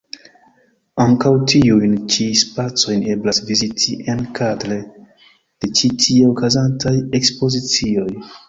Ankaŭ tiujn ĉi spacojn eblas viziti enkadre de ĉi tie okazantaj ekspozicioj.